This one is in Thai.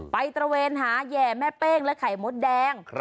ตระเวนหาแห่แม่เป้งและไข่มดแดง